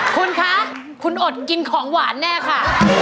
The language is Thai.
คุณคะคุณอดกินของหวานแน่ค่ะ